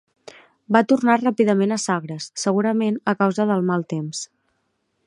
Va tornar ràpidament a Sagres, segurament a causa del mal temps.